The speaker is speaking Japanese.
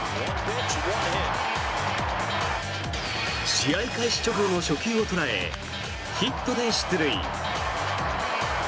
試合開始直後の初球を捉えヒットで出塁。